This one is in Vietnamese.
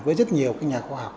với rất nhiều nhà khoa học